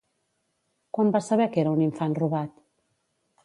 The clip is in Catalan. Quan va saber que era un infant robat?